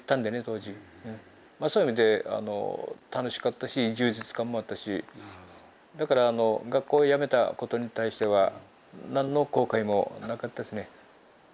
そういう意味で楽しかったし充実感もあったしだから学校をやめたことに対しては何の後悔もなかったですね。